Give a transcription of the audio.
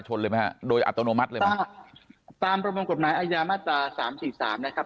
ชนเลยมั้ยโดยอัตโนมัติตามประมวงกฎน้ายอาญามาตรา๓๔๓นะครับ